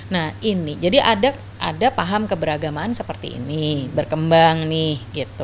nah ini jadi ada paham keberagamaan seperti ini berkembang nih